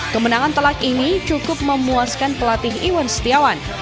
kemenangan telak ini cukup memuaskan pelatih iwan setiawan